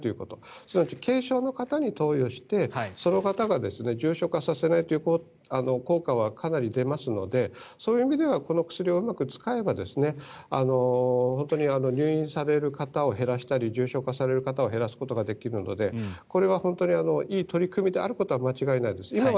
すなわち軽症の方に投与してその方を重症化させないという効果はかなり出ますのでそういう意味ではこの薬をうまく使えば本当に入院される方を減らしたり重症化される方を減らせるのでこれは本当にいい取り組みであることは間違いないです。